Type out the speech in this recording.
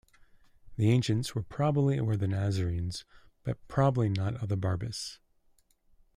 The Ancients were probably aware of the Nazarenes, but probably not of the Barbus.